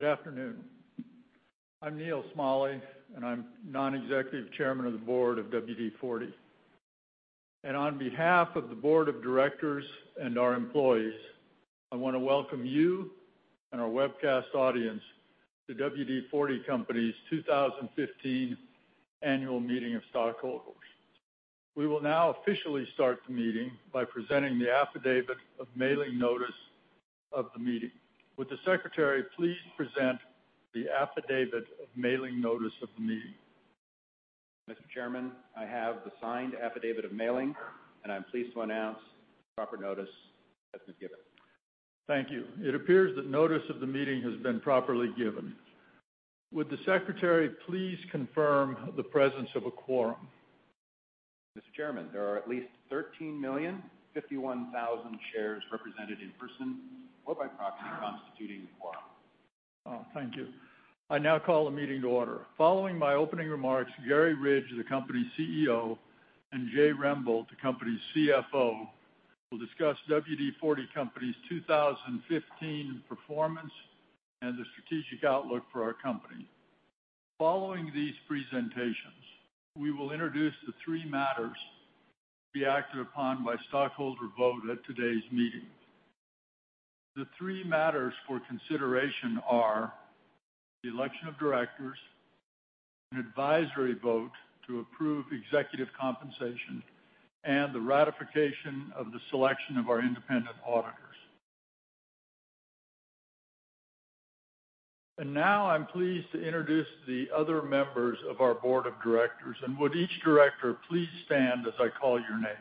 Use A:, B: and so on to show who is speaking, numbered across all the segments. A: Good afternoon. I'm Neal E. Schmale, and I'm Non-Executive Chairman of the Board of WD-40 Company. On behalf of the board of directors and our employees, I want to welcome you and our webcast audience to WD-40 Company's 2015 annual meeting of stockholders. We will now officially start the meeting by presenting the affidavit of mailing notice of the meeting. Would the secretary please present the affidavit of mailing notice of the meeting?
B: Mr. Chairman, I have the signed affidavit of mailing, I'm pleased to announce proper notice has been given.
A: Thank you. It appears that notice of the meeting has been properly given. Would the secretary please confirm the presence of a quorum?
B: Mr. Chairman, there are at least 13,051,000 shares represented in person or by proxy constituting a quorum.
A: Oh, thank you. I now call the meeting to order. Following my opening remarks, Garry Ridge, the company's CEO, and Jay Rembolt, the company's CFO, will discuss WD-40 Company's 2015 performance and the strategic outlook for our company. Following these presentations, we will introduce the three matters to be acted upon by stockholder vote at today's meeting. The three matters for consideration are the election of Directors, an advisory vote to approve executive compensation, and the ratification of the selection of our independent auditors. Now I'm pleased to introduce the other members of our board of Directors, and would each Director please stand as I call your name?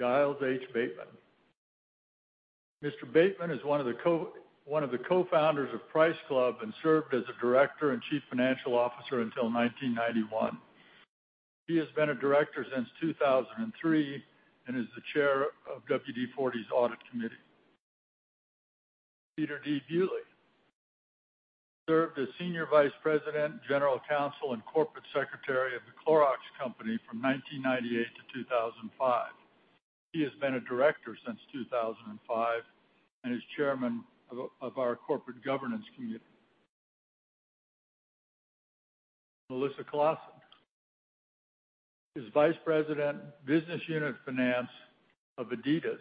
A: Giles H. Bateman. Mr. Bateman is one of the co-founders of Price Club and served as a Director and Chief Financial Officer until 1991. He has been a Director since 2003 and is the Chair of WD-40's Audit Committee. Peter D. Bewley served as Senior Vice President, General Counsel, and Corporate Secretary of The Clorox Company from 1998 to 2005. He has been a Director since 2005 and is Chairman of our Corporate Governance Committee. Melissa Claassen is Vice President, Business Unit Finance of adidas,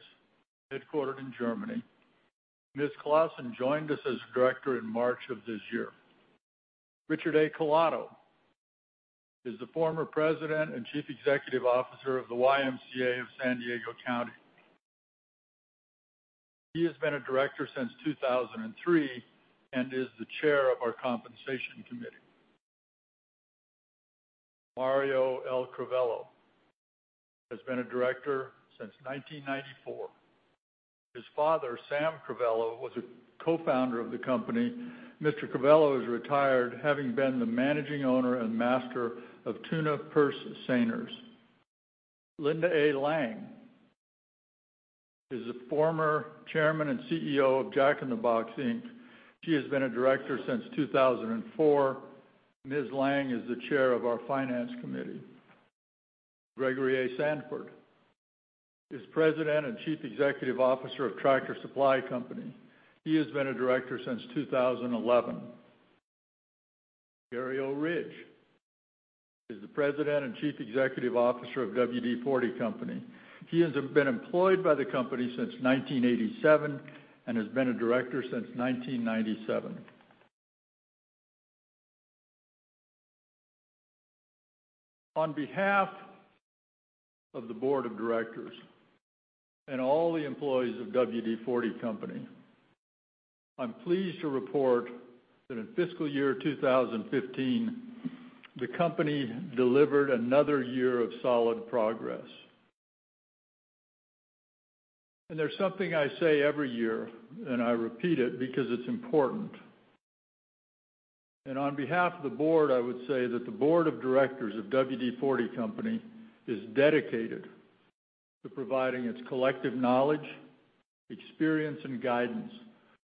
A: headquartered in Germany. Ms. Claassen joined us as a Director in March of this year. Richard A. Collato is the former President and Chief Executive Officer of the YMCA of San Diego County. He has been a Director since 2003 and is the Chair of our Compensation Committee. Mario L. Crivello has been a Director since 1994. His father, Sam Crivello, was a co-founder of the company. Mr. Crivello is retired, having been the managing owner and master of tuna purse seiners. Linda A. Lang is the former Chairman and CEO of Jack in the Box Inc. She has been a Director since 2004. Ms. Lang is the Chair of our Finance Committee. Gregory A. Sandfort is President and Chief Executive Officer of Tractor Supply Company. He has been a Director since 2011. Garry O. Ridge is the President and Chief Executive Officer of WD-40 Company. He has been employed by the company since 1987 and has been a Director since 1997. On behalf of the board of Directors and all the employees of WD-40 Company, I'm pleased to report that in fiscal year 2015, the company delivered another year of solid progress. There's something I say every year, and I repeat it because it's important. On behalf of the board, I would say that the board of Directors of WD-40 Company is dedicated to providing its collective knowledge, experience, and guidance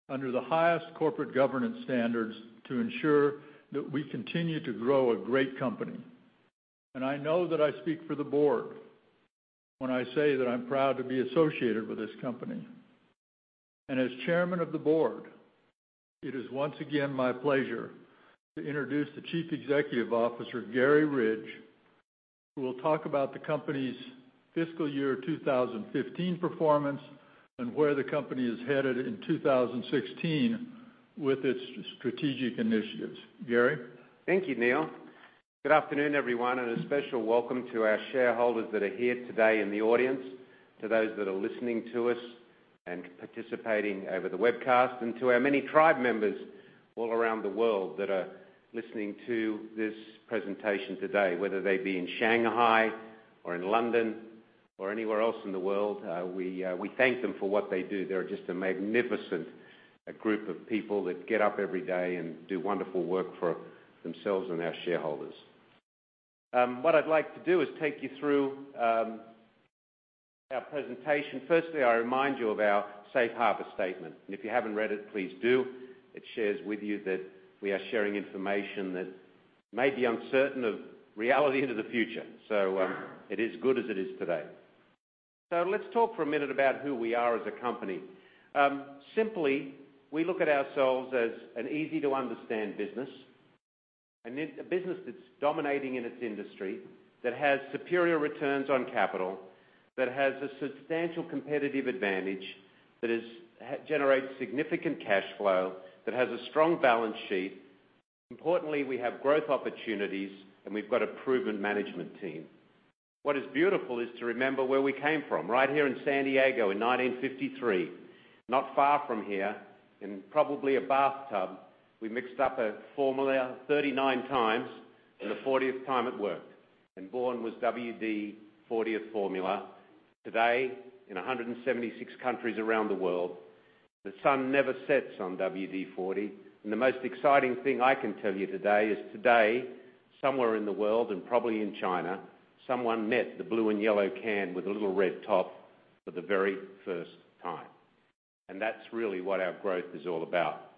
A: under the highest corporate governance standards to ensure that we continue to grow a great company. I know that I speak for the board when I say that I'm proud to be associated with this company. As Chairman of the Board, it is once again my pleasure to introduce the Chief Executive Officer, Garry Ridge, who will talk about the company's fiscal year 2015 performance and where the company is headed in 2016 with its strategic initiatives. Garry?
C: Thank you, Neal. Good afternoon, everyone. A special welcome to our shareholders that are here today in the audience, to those that are listening to us and participating over the webcast, to our many tribe members all around the world that are listening to this presentation today, whether they be in Shanghai or in London or anywhere else in the world. We thank them for what they do. They're just a magnificent group of people that get up every day and do wonderful work for themselves and our shareholders. What I'd like to do is take you through our presentation. Firstly, I remind you of our safe harbor statement. If you haven't read it, please do. It shares with you that we are sharing information that may be uncertain of reality into the future. It is good as it is today. Let's talk for a minute about who we are as a company. Simply, we look at ourselves as an easy-to-understand business, a business that's dominating in its industry, that has superior returns on capital, that has a substantial competitive advantage, that generates significant cash flow, that has a strong balance sheet. Importantly, we have growth opportunities. We've got a proven management team. What is beautiful is to remember where we came from. Right here in San Diego in 1953, not far from here, in probably a bathtub, we mixed up a formula 39 times. The 40th time it worked. Born was WD-40 formula. Today, in 176 countries around the world, the sun never sets on WD-40. The most exciting thing I can tell you today is today, somewhere in the world, and probably in China, someone met the blue and yellow can with a little red top for the very first time. That's really what our growth is all about.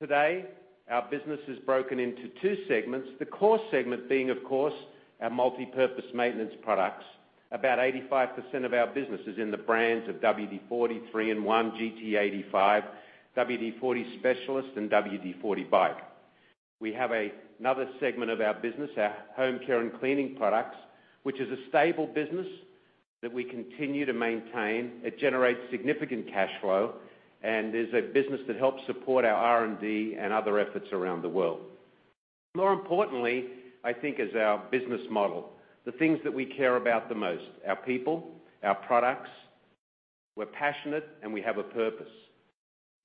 C: Today, our business is broken into two segments. The core segment being, of course, our multipurpose maintenance products. About 85% of our business is in the brands of WD-40, 3-IN-ONE, GT85, WD-40 Specialist, and WD-40 BIKE. We have another segment of our business, our home care and cleaning products, which is a stable business that we continue to maintain. It generates significant cash flow and is a business that helps support our R&D and other efforts around the world. More importantly, I think, is our business model. The things that we care about the most, our people, our products. We're passionate. We have a purpose.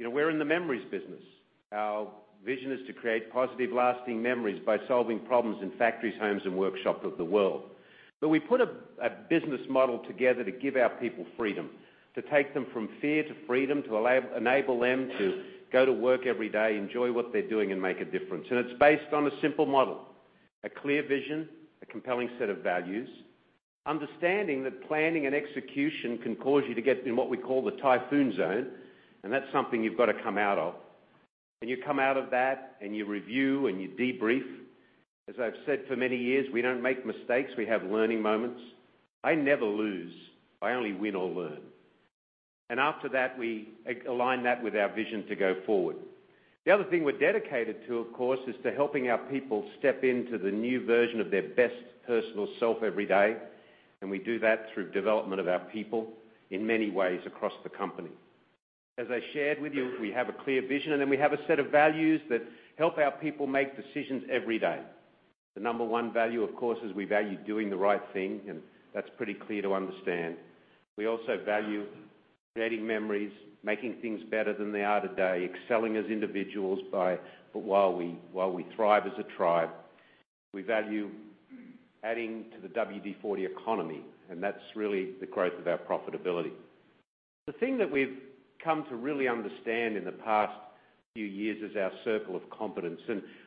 C: We're in the memories business. Our vision is to create positive, lasting memories by solving problems in factories, homes, and workshops of the world. We put a business model together to give our people freedom, to take them from fear to freedom, to enable them to go to work every day, enjoy what they're doing, and make a difference. It's based on a simple model, a clear vision, a compelling set of values, understanding that planning and execution can cause you to get in what we call the typhoon zone. That's something you've got to come out of. You come out of that, you review, you debrief. As I've said for many years, we don't make mistakes. We have learning moments. I never lose. I only win or learn. After that, we align that with our vision to go forward. The other thing we're dedicated to, of course, is to helping our people step into the new version of their best personal self every day, and we do that through development of our people in many ways across the company. As I shared with you, we have a clear vision, then we have a set of values that help our people make decisions every day. The number one value, of course, is we value doing the right thing, and that's pretty clear to understand. We also value creating memories, making things better than they are today, excelling as individuals while we thrive as a tribe. We value adding to the WD-40 economy, and that's really the growth of our profitability. The thing that we've come to really understand in the past few years is our circle of competence.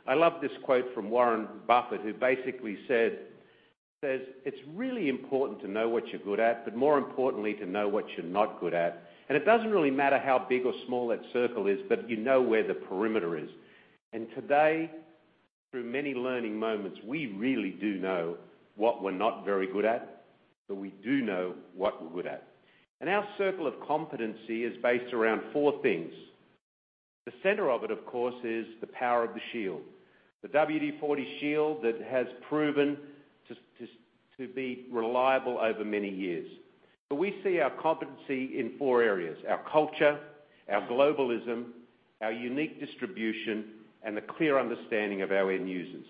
C: I love this quote from Warren Buffett, who basically says, "It's really important to know what you're good at, but more importantly, to know what you're not good at." It doesn't really matter how big or small that circle is, but you know where the perimeter is. Today, through many learning moments, we really do know what we're not very good at, but we do know what we're good at. Our circle of competency is based around four things. The center of it, of course, is the power of the shield, the WD-40 shield that has proven to be reliable over many years. We see our competency in four areas, our culture, our globalism, our unique distribution, and the clear understanding of our end users.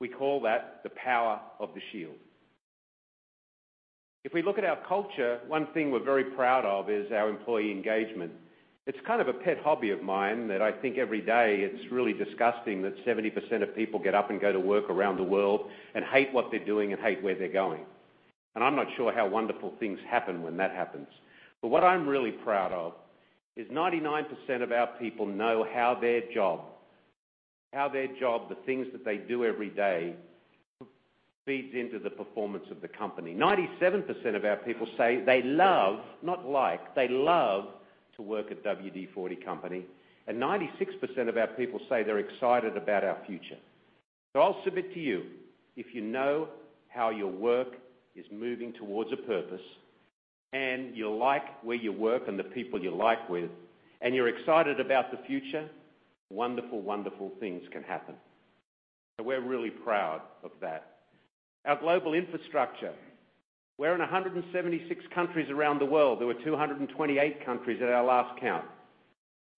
C: We call that the power of the shield. If we look at our culture, one thing we're very proud of is our employee engagement. It's kind of a pet hobby of mine that I think every day it's really disgusting that 70% of people get up and go to work around the world and hate what they're doing and hate where they're going. I'm not sure how wonderful things happen when that happens. What I'm really proud of is 99% of our people know how their job, the things that they do every day, feeds into the performance of the company. 97% of our people say they love, not like, they love to work at WD-40 Company, and 96% of our people say they're excited about our future. I'll submit to you, if you know how your work is moving towards a purpose and you like where you work and the people you like with, and you're excited about the future, wonderful things can happen. We're really proud of that. Our global infrastructure. We're in 176 countries around the world. There were 228 countries at our last count.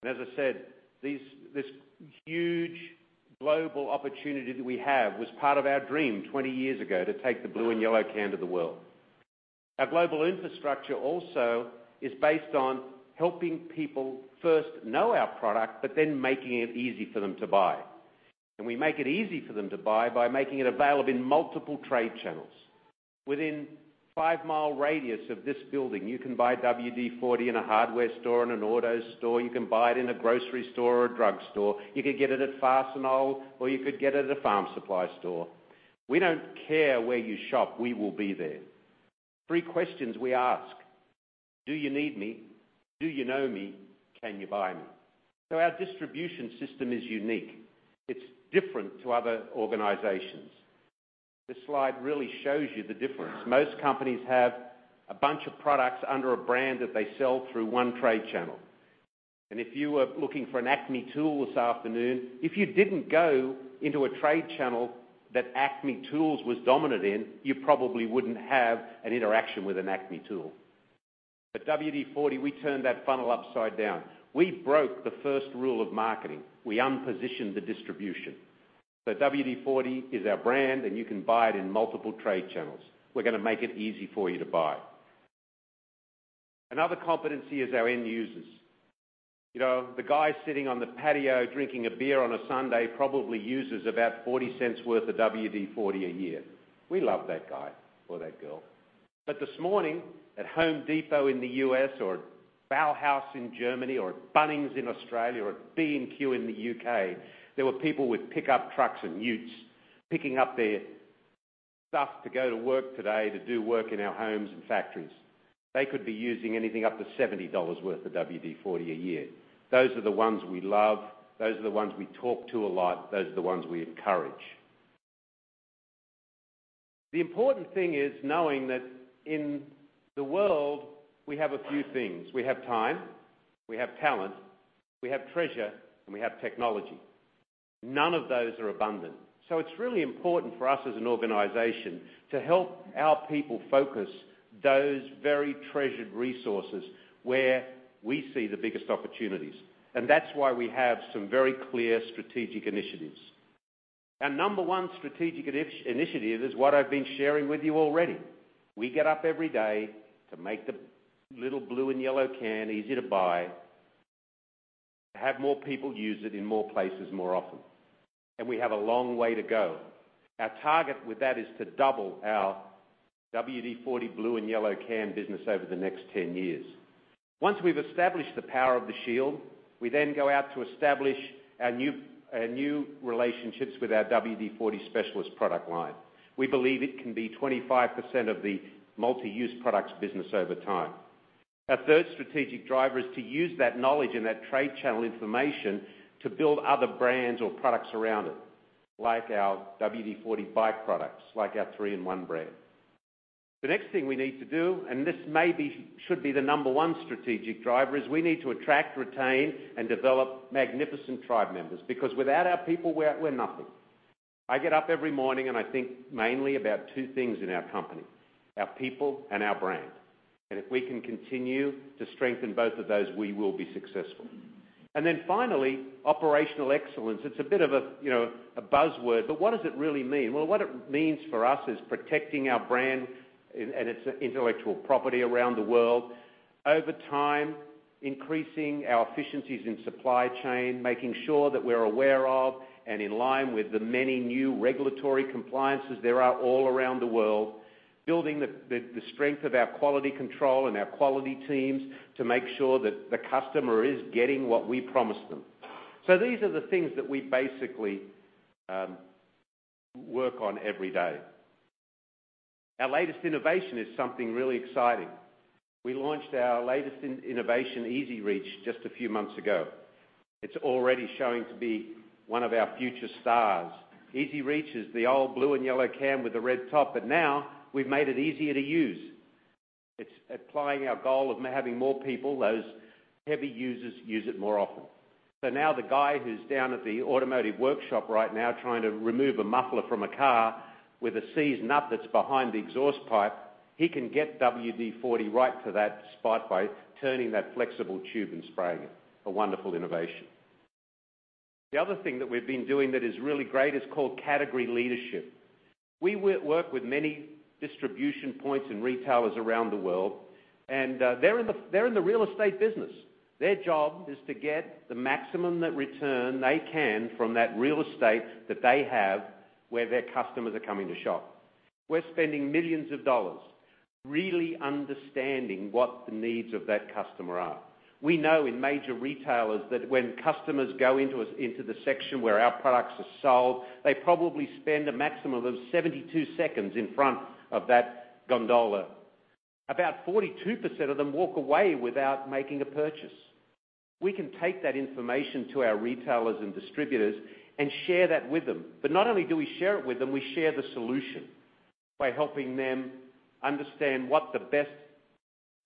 C: As I said, this huge global opportunity that we have was part of our dream 20 years ago to take the blue and yellow can to the world. Our global infrastructure also is based on helping people first know our product, but then making it easy for them to buy. We make it easy for them to buy by making it available in multiple trade channels. Within five-mile radius of this building, you can buy WD-40 in a hardware store, in an auto store, you can buy it in a grocery store or a drugstore. You could get it at Fastenal, or you could get it at a farm supply store. We don't care where you shop. We will be there. Three questions we ask Do you need me? Do you know me? Can you buy me? Our distribution system is unique. It's different to other organizations. This slide really shows you the difference. Most companies have a bunch of products under a brand that they sell through one trade channel. If you were looking for an Acme tool this afternoon, if you didn't go into a trade channel that Acme Tools was dominant in, you probably wouldn't have an interaction with an Acme tool. At WD-40, we turned that funnel upside down. We broke the first rule of marketing. We unpositioned the distribution. WD-40 is our brand, and you can buy it in multiple trade channels. We're going to make it easy for you to buy. Another competency is our end users. The guy sitting on the patio drinking a beer on a Sunday probably uses about $0.40 worth of WD-40 a year. We love that guy or that girl. This morning at Home Depot in the U.S. or Bauhaus in Germany or Bunnings in Australia or at B&Q in the U.K., there were people with pickup trucks and utes picking up their stuff to go to work today to do work in our homes and factories. They could be using anything up to $70 worth of WD-40 a year. Those are the ones we love. Those are the ones we talk to a lot. Those are the ones we encourage. The important thing is knowing that in the world, we have a few things. We have time, we have talent, we have treasure, and we have technology. None of those are abundant. It's really important for us as an organization to help our people focus those very treasured resources where we see the biggest opportunities, and that's why we have some very clear strategic initiatives. Our number one strategic initiative is what I've been sharing with you already. We get up every day to make the little blue and yellow can easy to buy, to have more people use it in more places more often. We have a long way to go. Our target with that is to double our WD-40 blue and yellow can business over the next 10 years. Once we've established the power of the shield, we then go out to establish our new relationships with our WD-40 Specialist product line. We believe it can be 25% of the multi-use products business over time. Our third strategic driver is to use that knowledge and that trade channel information to build other brands or products around it, like our WD-40 BIKE products, like our 3-IN-ONE brand. The next thing we need to do, this should be the number one strategic driver, is we need to attract, retain, and develop magnificent tribe members, because without our people, we're nothing. I get up every morning and I think mainly about two things in our company, our people and our brand. If we can continue to strengthen both of those, we will be successful. Finally, operational excellence. It's a bit of a buzzword, but what does it really mean? What it means for us is protecting our brand and its intellectual property around the world. Over time, increasing our efficiencies in supply chain, making sure that we're aware of and in line with the many new regulatory compliances there are all around the world, building the strength of our quality control and our quality teams to make sure that the customer is getting what we promised them. These are the things that we basically work on every day. Our latest innovation is something really exciting. We launched our latest innovation, EZ-Reach, just a few months ago. It's already showing to be one of our future stars. EZ-Reach is the old blue and yellow can with the red top, but now we've made it easier to use. It's applying our goal of having more people, those heavy users, use it more often. Now the guy who's down at the automotive workshop right now trying to remove a muffler from a car with a seized nut that's behind the exhaust pipe, he can get WD-40 right to that spot by turning that flexible tube and spraying it. A wonderful innovation. The other thing that we've been doing that is really great is called category leadership. We work with many distribution points and retailers around the world. They're in the real estate business. Their job is to get the maximum net return they can from that real estate that they have where their customers are coming to shop. We're spending millions of dollars really understanding what the needs of that customer are. We know in major retailers that when customers go into the section where our products are sold, they probably spend a maximum of 72 seconds in front of that gondola. About 42% of them walk away without making a purchase. We can take that information to our retailers and distributors and share that with them. Not only do we share it with them, we share the solution by helping them understand what the best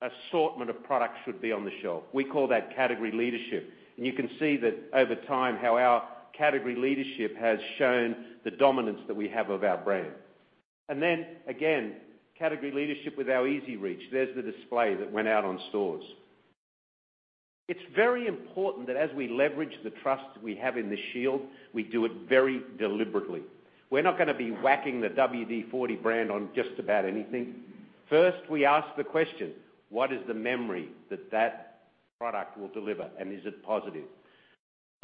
C: assortment of products should be on the shelf. We call that category leadership. You can see that over time, how our category leadership has shown the dominance that we have of our brand. Then, again, category leadership with our EZ-Reach. There's the display that went out on stores. It's very important that as we leverage the trust we have in the shield, we do it very deliberately. We're not going to be whacking the WD-40 brand on just about anything. First, we ask the question, what is the memory that that product will deliver, and is it positive?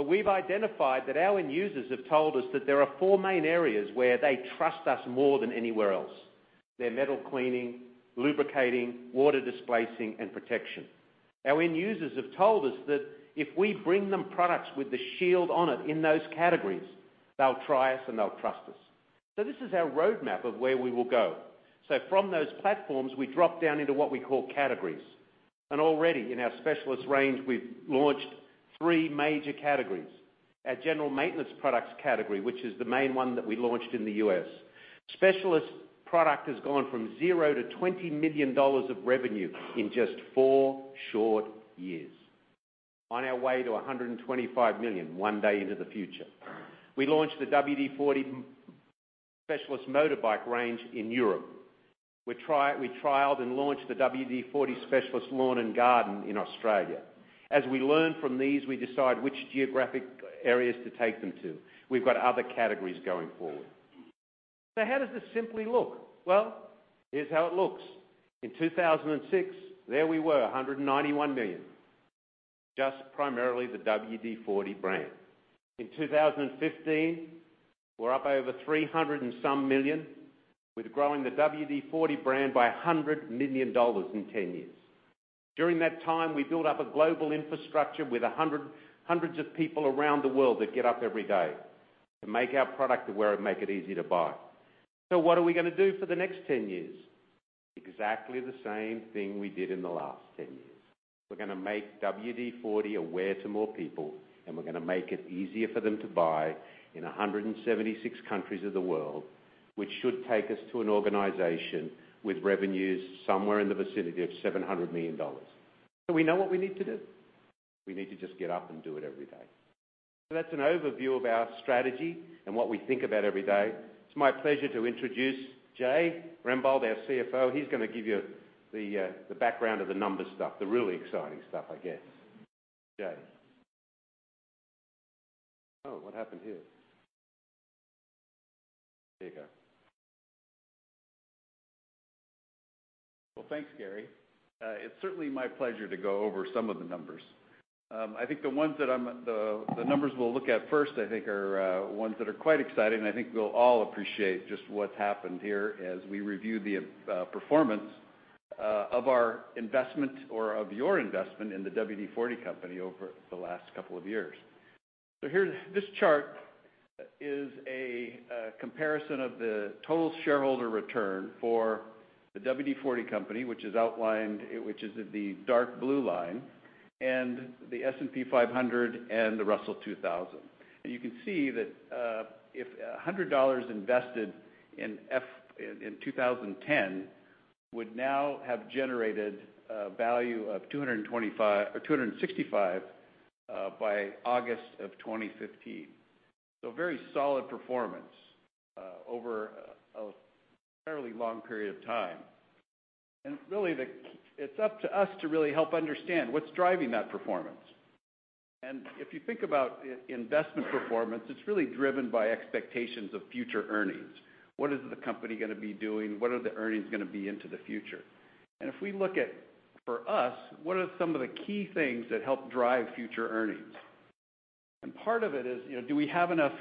C: We've identified that our end users have told us that there are four main areas where they trust us more than anywhere else. They're metal cleaning, lubricating, water displacing, and protection. Our end users have told us that if we bring them products with the shield on it in those categories, they'll try us and they'll trust us. This is our roadmap of where we will go. From those platforms, we drop down into what we call categories. Already in our Specialist range, we've launched three major categories. Our general maintenance products category, which is the main one that we launched in the U.S. Specialist product has gone from zero to $20 million of revenue in just four short years, on our way to $125 million one day into the future. We launched the WD-40 Specialist motorbike range in Europe. We trialed and launched the WD-40 Specialist Lawn & Garden in Australia. As we learn from these, we decide which geographic areas to take them to. We've got other categories going forward. How does this simply look? Well, here's how it looks. In 2006, there we were, $191 million, just primarily the WD-40 brand. In 2015, we're up over $300 and some million, with growing the WD-40 brand by $100 million in 10 years. During that time, we built up a global infrastructure with hundreds of people around the world that get up every day to make our product aware and make it easy to buy. What are we going to do for the next 10 years? Exactly the same thing we did in the last 10 years. We're going to make WD-40 aware to more people, and we're going to make it easier for them to buy in 176 countries of the world, which should take us to an organization with revenues somewhere in the vicinity of $700 million. Do we know what we need to do? We need to just get up and do it every day. That's an overview of our strategy and what we think about every day. It's my pleasure to introduce Jay Rembolt, our CFO. He's going to give you the background of the numbers stuff, the really exciting stuff, I guess. Jay. Oh, what happened here? There you go.
D: Well, thanks, Garry. It's certainly my pleasure to go over some of the numbers. I think the numbers we'll look at first, I think are ones that are quite exciting, and I think we'll all appreciate just what's happened here as we review the performance of our investment or of your investment in the WD-40 Company over the last couple of years. This chart is a comparison of the total shareholder return for the WD-40 Company, which is outlined, which is the dark blue line, and the S&P 500 and the Russell 2000. You can see that $100 invested in 2010 would now have generated a value of $265 by August of 2015. Very solid performance over a fairly long period of time. Really, it's up to us to really help understand what's driving that performance. If you think about investment performance, it's really driven by expectations of future earnings. What is the company going to be doing? What are the earnings going to be into the future? If we look at, for us, what are some of the key things that help drive future earnings? Part of it is, do we have enough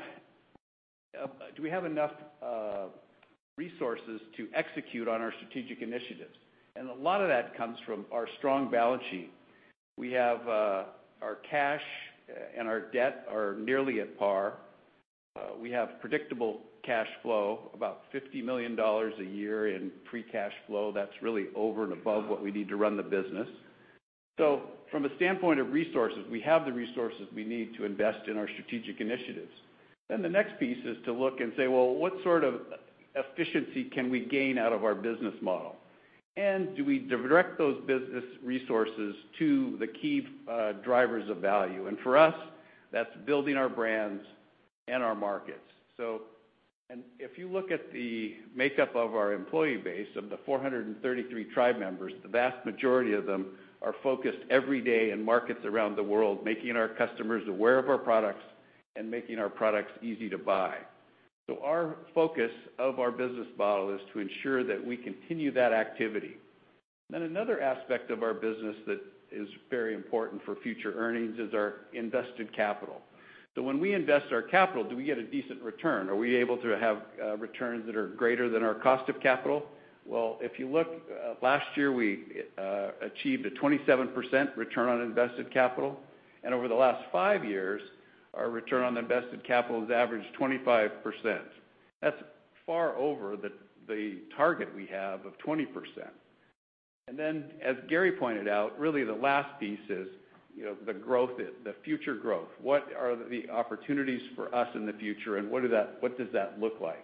D: resources to execute on our strategic initiatives? A lot of that comes from our strong balance sheet. We have our cash and our debt are nearly at par. We have predictable cash flow, about $50 million a year in free cash flow. That's really over and above what we need to run the business. From a standpoint of resources, we have the resources we need to invest in our strategic initiatives. The next piece is to look and say, "Well, what sort of efficiency can we gain out of our business model? Do we direct those business resources to the key drivers of value?" For us, that's building our brands and our markets. If you look at the makeup of our employee base, of the 433 tribe members, the vast majority of them are focused every day in markets around the world, making our customers aware of our products and making our products easy to buy. Our focus of our business model is to ensure that we continue that activity. Another aspect of our business that is very important for future earnings is our invested capital. When we invest our capital, do we get a decent return? Are we able to have returns that are greater than our cost of capital? If you look, last year, we achieved a 27% return on invested capital, and over the last five years, our return on invested capital has averaged 25%. That's far over the target we have of 20%. Then, as Garry pointed out, really the last piece is the future growth. What are the opportunities for us in the future, and what does that look like?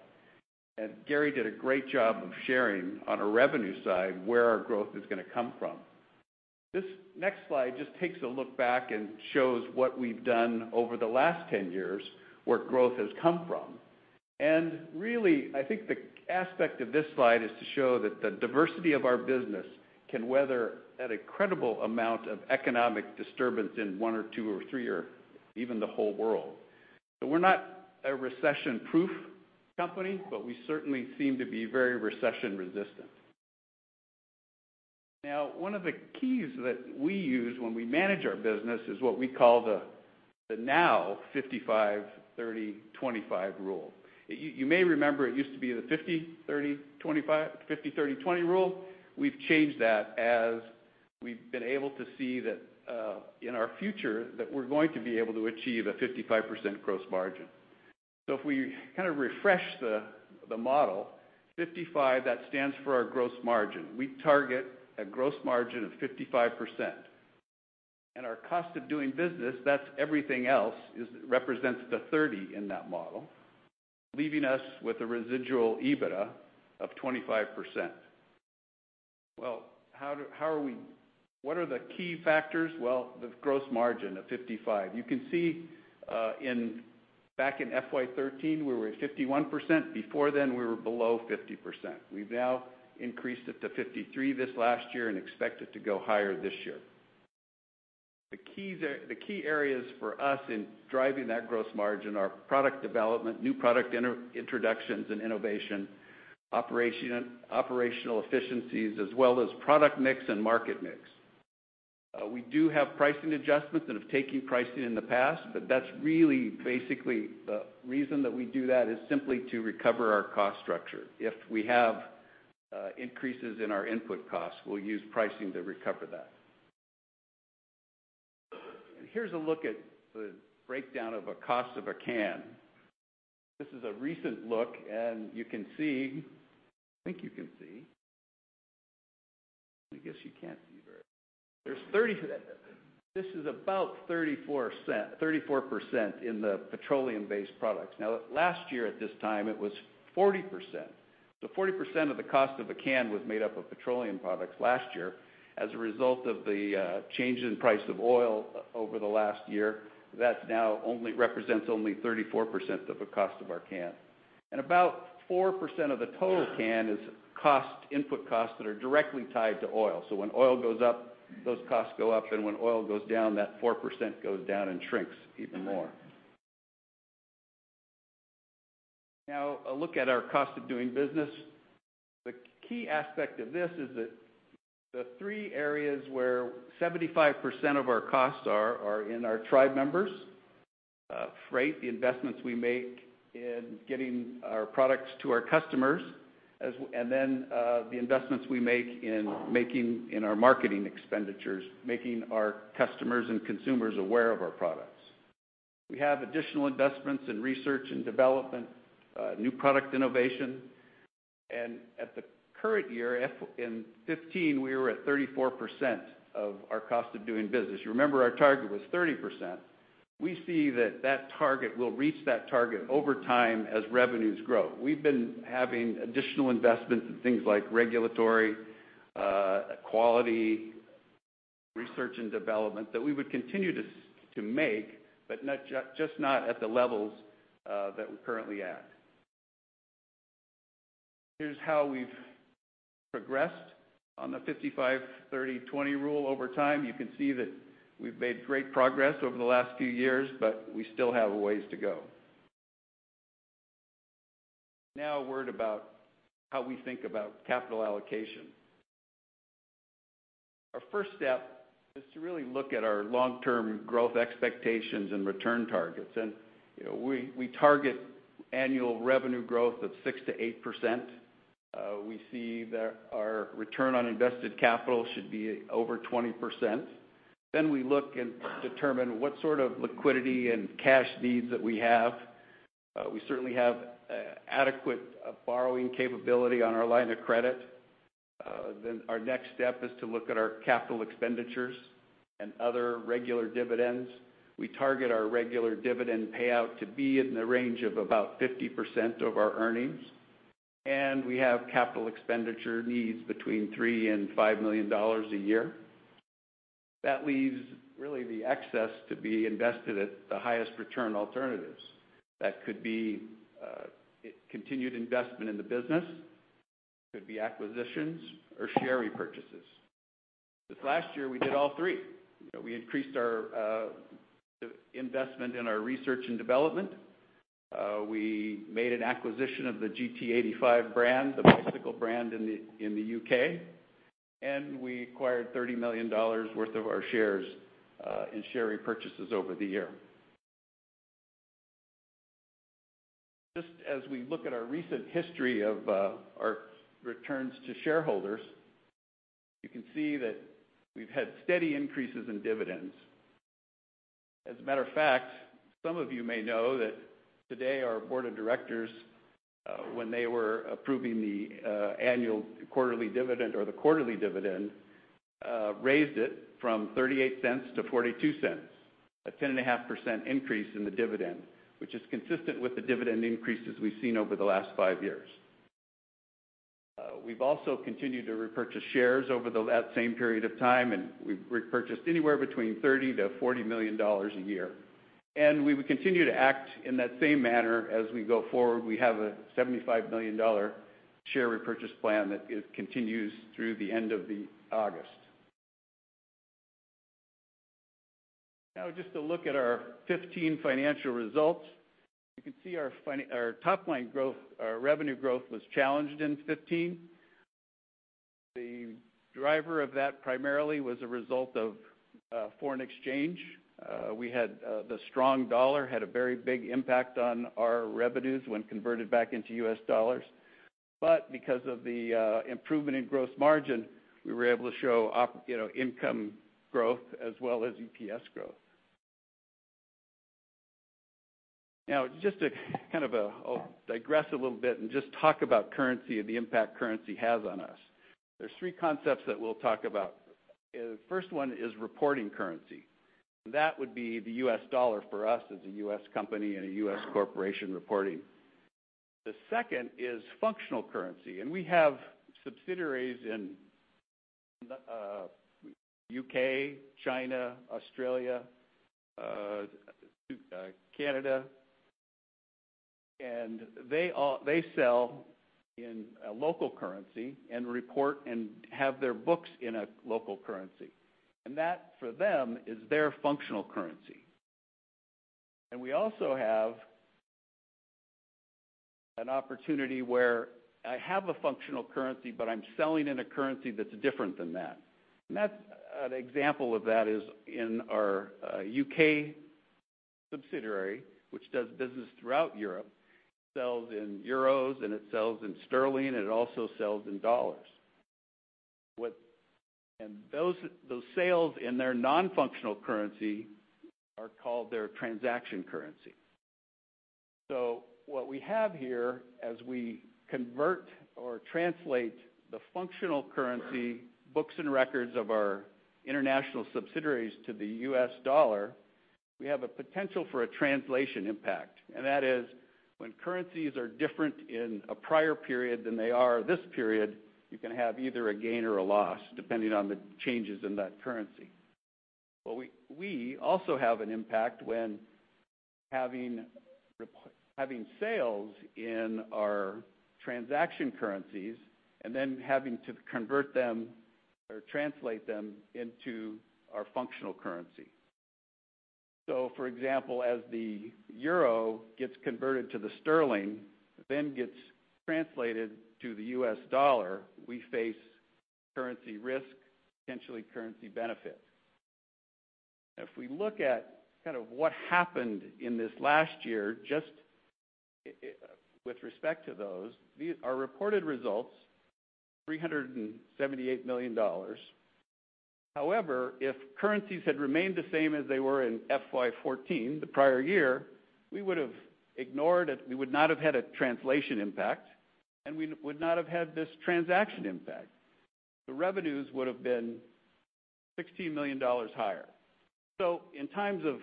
D: Garry did a great job of sharing on a revenue side where our growth is going to come from. This next slide just takes a look back and shows what we've done over the last 10 years, where growth has come from. Really, I think the aspect of this slide is to show that the diversity of our business can weather an incredible amount of economic disturbance in one or two or three or even the whole world. We're not a recession-proof company, but we certainly seem to be very recession-resistant. One of the keys that we use when we manage our business is what we call the 55-30-25 rule. You may remember it used to be the 50-30-20 rule. We've changed that as we've been able to see that in our future, that we're going to be able to achieve a 55% gross margin. If we kind of refresh the model, 55, that stands for our gross margin. We target a gross margin of 55%. Our cost of doing business, that's everything else, represents the 30 in that model, leaving us with a residual EBITDA of 25%. What are the key factors? The gross margin of 55. You can see back in FY 2013, we were at 51%. Before then, we were below 50%. We've now increased it to 53 this last year and expect it to go higher this year. The key areas for us in driving that gross margin are product development, new product introductions and innovation, operational efficiencies, as well as product mix and market mix. We do have pricing adjustments and have taken pricing in the past, but that's really basically the reason that we do that is simply to recover our cost structure. If we have increases in our input costs, we'll use pricing to recover that. Here's a look at the breakdown of a cost of a can. This is a recent look, and you can see, I think you can see. I guess you can't see very. This is about 34% in the petroleum-based products. Last year at this time, it was 40%. 40% of the cost of a can was made up of petroleum products last year. As a result of the change in price of oil over the last year, that now represents only 34% of the cost of our can. About 4% of the total can is input costs that are directly tied to oil. When oil goes up, those costs go up, and when oil goes down, that 4% goes down and shrinks even more. A look at our cost of doing business. The key aspect of this is that the three areas where 75% of our costs are in our tribe members, freight, the investments we make in getting our products to our customers, the investments we make in our marketing expenditures, making our customers and consumers aware of our products. We have additional investments in research and development, new product innovation. At the current year, in 2015, we were at 34% of our cost of doing business. You remember our target was 30%. We see that we'll reach that target over time as revenues grow. We've been having additional investments in things like regulatory, quality, research and development that we would continue to make, but just not at the levels that we're currently at. Here's how we've progressed on the 55-30-20 rule over time. You can see that we've made great progress over the last few years, but we still have a ways to go. A word about how we think about capital allocation. Our first step is to really look at our long-term growth expectations and return targets. We target annual revenue growth of 6%-8%. We see that our return on invested capital should be over 20%. We look and determine what sort of liquidity and cash needs that we have. We certainly have adequate borrowing capability on our line of credit. Our next step is to look at our capital expenditures and other regular dividends. We target our regular dividend payout to be in the range of about 50% of our earnings, and we have capital expenditure needs between $3 million-$5 million a year. That leaves really the excess to be invested at the highest return alternatives. That could be continued investment in the business, could be acquisitions or share repurchases. This last year, we did all three. We increased our investment in our research and development. We made an acquisition of the GT85 brand, the bicycle brand in the U.K., and we acquired $30 million worth of our shares in share repurchases over the year. Just as we look at our recent history of our returns to shareholders, you can see that we've had steady increases in dividends. As a matter of fact, some of you may know that today our board of directors, when they were approving the annual quarterly dividend or the quarterly dividend, raised it from $0.38 to $0.42. A 10.5% increase in the dividend, which is consistent with the dividend increases we've seen over the last five years. We've also continued to repurchase shares over that same period of time, and we've repurchased anywhere between $30 million-$40 million a year. We will continue to act in that same manner as we go forward. We have a $75 million share repurchase plan that continues through the end of August. Just to look at our 2015 financial results. You can see our top-line growth, our revenue growth was challenged in 2015. The driver of that primarily was a result of foreign exchange. The strong dollar had a very big impact on our revenues when converted back into U.S. dollars. Because of the improvement in gross margin, we were able to show income growth as well as EPS growth. Just to digress a little bit and just talk about currency and the impact currency has on us. There's three concepts that we'll talk about. The first one is reporting currency. That would be the U.S. dollar for us as a U.S. company and a U.S. corporation reporting. The second is functional currency. We have subsidiaries in the U.K., China, Australia, Canada. They sell in a local currency and report and have their books in a local currency. That, for them, is their functional currency. We also have an opportunity where I have a functional currency, but I'm selling in a currency that's different than that. An example of that is in our U.K. subsidiary, which does business throughout Europe. It sells in euros, and it sells in sterling, and it also sells in dollars. Those sales in their non-functional currency are called their transaction currency. What we have here, as we convert or translate the functional currency books and records of our international subsidiaries to the U.S. dollar, we have a potential for a translation impact. That is when currencies are different in a prior period than they are this period, you can have either a gain or a loss depending on the changes in that currency. We also have an impact when having sales in our transaction currencies and then having to convert them or translate them into our functional currency. For example, as the euro gets converted to the sterling, then gets translated to the U.S. dollar, we face currency risk, potentially currency benefit. If we look at what happened in this last year, just with respect to those, our reported results, $378 million. However, if currencies had remained the same as they were in FY 2014, the prior year, we would not have had a translation impact, and we would not have had this transaction impact. The revenues would've been $16 million higher. In times of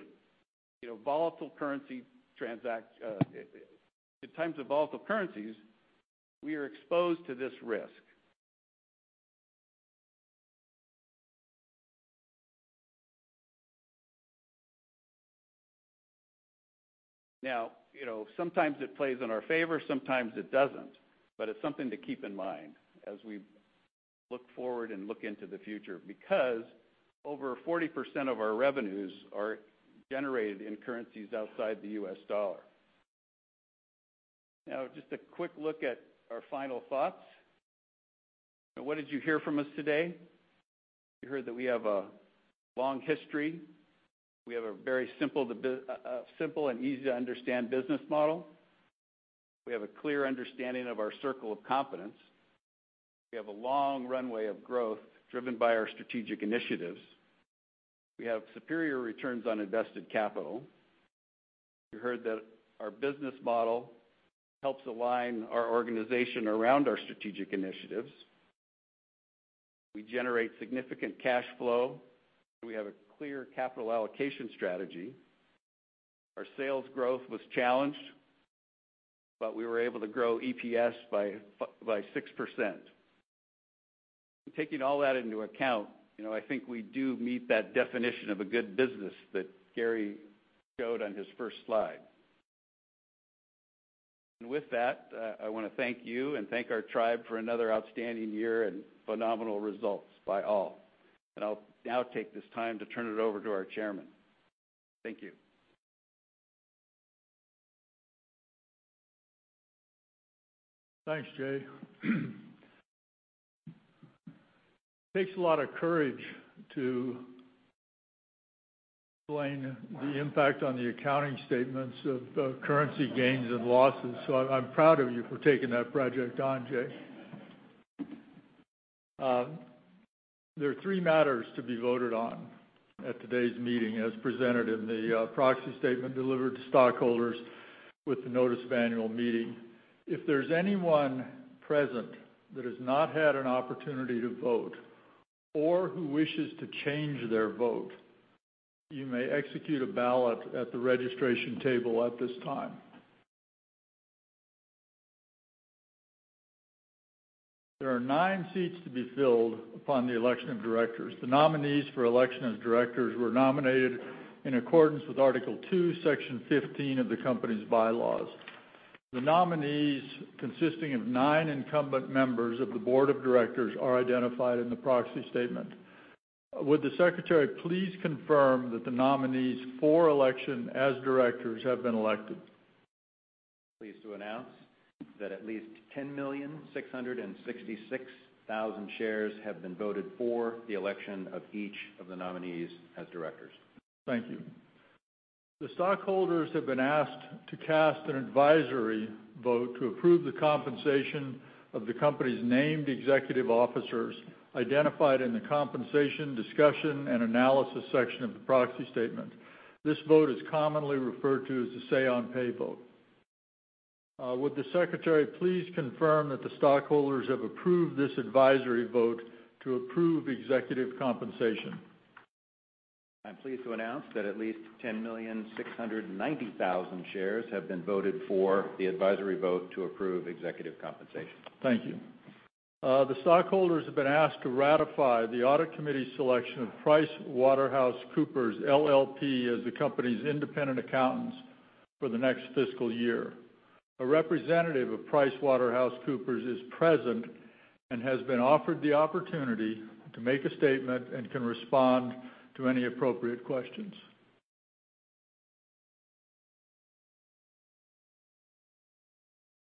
D: volatile currencies, we are exposed to this risk. Sometimes it plays in our favor, sometimes it doesn't, but it's something to keep in mind as we look forward and look into the future, because over 40% of our revenues are generated in currencies outside the U.S. dollar. Just a quick look at our final thoughts. What did you hear from us today? You heard that we have a long history. We have a very simple and easy-to-understand business model. We have a clear understanding of our circle of competence. We have a long runway of growth driven by our strategic initiatives. We have superior returns on invested capital. You heard that our business model helps align our organization around our strategic initiatives. We generate significant cash flow, and we have a clear capital allocation strategy. Our sales growth was challenged. We were able to grow EPS by 6%. Taking all that into account, I think we do meet that definition of a good business that Garry showed on his first slide. With that, I want to thank you and thank our tribe for another outstanding year and phenomenal results by all. I'll now take this time to turn it over to our chairman. Thank you.
A: Thanks, Jay. It takes a lot of courage to explain the impact on the accounting statements of currency gains and losses, so I'm proud of you for taking that project on, Jay. There are three matters to be voted on at today's meeting, as presented in the proxy statement delivered to stockholders with the notice of annual meeting. If there's anyone present that has not had an opportunity to vote or who wishes to change their vote, you may execute a ballot at the registration table at this time. There are nine seats to be filled upon the election of directors. The nominees for election as directors were nominated in accordance with Article two, Section fifteen of the company's bylaws. The nominees, consisting of nine incumbent members of the board of directors, are identified in the proxy statement. Would the secretary please confirm that the nominees for election as directors have been elected?
B: Pleased to announce that at least 10,666,000 shares have been voted for the election of each of the nominees as directors.
A: Thank you. The stockholders have been asked to cast an advisory vote to approve the compensation of the company's named executive officers identified in the compensation discussion and analysis section of the proxy statement. This vote is commonly referred to as the say on pay vote. Would the secretary please confirm that the stockholders have approved this advisory vote to approve executive compensation?
B: I'm pleased to announce that at least 10,690,000 shares have been voted for the advisory vote to approve executive compensation.
A: Thank you. The stockholders have been asked to ratify the audit committee selection of PricewaterhouseCoopers, LLP, as the company's independent accountants for the next fiscal year. A representative of PricewaterhouseCoopers is present and has been offered the opportunity to make a statement and can respond to any appropriate questions.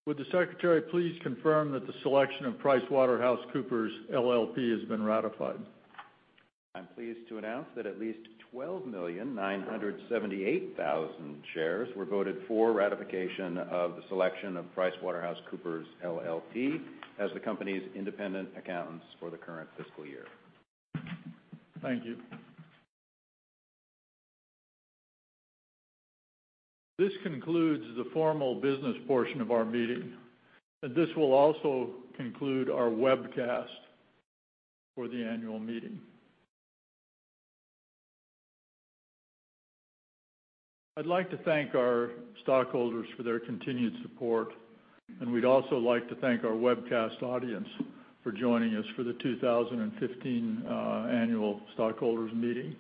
A: Would the secretary please confirm that the selection of PricewaterhouseCoopers, LLP, has been ratified?
B: I'm pleased to announce that at least 12,978,000 shares were voted for ratification of the selection of PricewaterhouseCoopers, LLP as the company's independent accountants for the current fiscal year.
A: Thank you. This concludes the formal business portion of our meeting, and this will also conclude our webcast for the annual meeting. I'd like to thank our stockholders for their continued support, and we'd also like to thank our webcast audience for joining us for the 2015 annual stockholders meeting.